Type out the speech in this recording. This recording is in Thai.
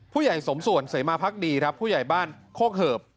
ผู้ใหญ่สมส่วนเสมาพักดีครับผู้ใหญ่บ้านโคกเหิบ